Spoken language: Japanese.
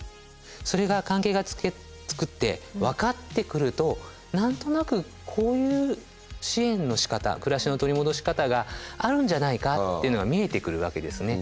それが関係が作って分かってくると何となくこういう支援のしかた暮らしの取り戻し方があるんじゃないかっていうのが見えてくるわけですね。